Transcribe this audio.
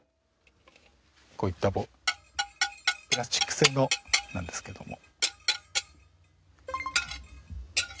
こういったボウルプラスチック製のなんですけども。